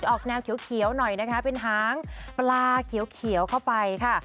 ออกแนวเขียวหน่อยนะคะเป็นหางปลาเขียวเข้าไปค่ะ